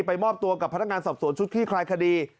มอบตัวกับพนักงานสอบสวนชุดคลี่คลายคดี